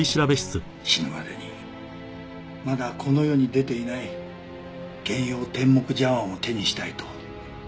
死ぬまでにまだこの世に出ていない幻曜天目茶碗を手にしたいと。